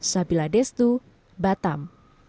sabila destu batam